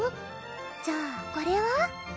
じゃあこれは？